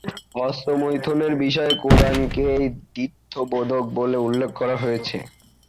হস্তমৈথুনের বিষয়ে কুরআনকে দ্ব্যর্থবোধক বলে উল্লেখ করা হয়েছে।